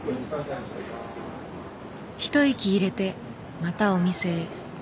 一息入れてまたお店へ。